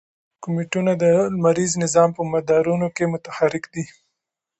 کومیټونه د لمریز نظام په مدارونو کې متحرک دي.